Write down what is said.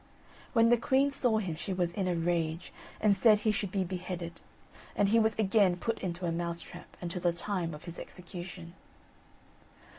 When the queen saw him she was in a rage, and said he should be beheaded; and he was again put into a mouse trap until the time of his execution.